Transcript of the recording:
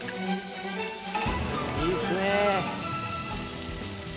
いいっすね。